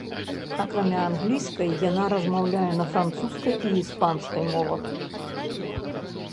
Акрамя англійскай яна размаўляе на французскай і іспанскай мовах.